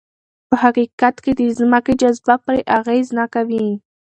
په حقیقت کې د ځمکې جاذبه پرې اغېز نه کوي.